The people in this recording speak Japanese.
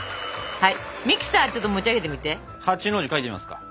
はい。